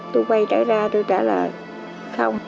tôi quay trở ra tôi trả lời không